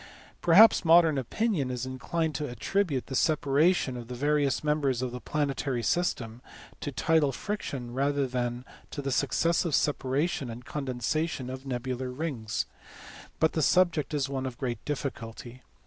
Perhaps modern opinion is inclined to attribute the separation of the various members of a planetary system to tidal friction rather than to the successive separation and condensation of nebulous rings ; but the subject is one of great difficulty.